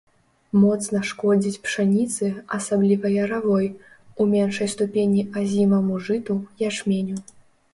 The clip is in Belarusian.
Моцна шкодзіць пшаніцы, асабліва яравой, у меншай ступені азімаму жыту, ячменю.